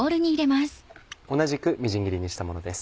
同じくみじん切りにしたものです。